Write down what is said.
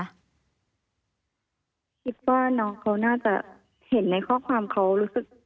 คิดว่าน้องเขาน่าจะเห็นในข้อความเขารู้สึก